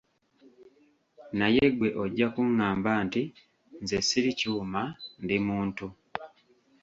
Naye ggwe ojja kungamba nti: "Nze siri kyuma, ndi muntu."